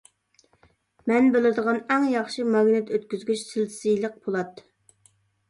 مەن بىلىدىغان ئەڭ ياخشى ماگنىت ئۆتكۈزگۈچ سىلىتسىيلىق پولات.